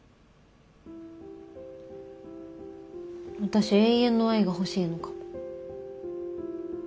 私永遠の愛が欲しいのかも。